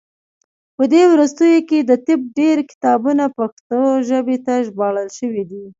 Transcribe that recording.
په دې وروستیو کې د طب ډیری کتابونه پښتو ژبې ته ژباړل شوي دي.